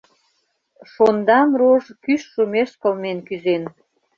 Шондан рож кӱш шумеш кылмен кӱзен.